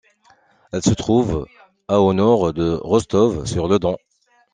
Elle se trouve à au nord de Rostov-sur-le-Don.